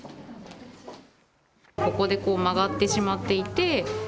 ここで、こう曲がってしまっていて。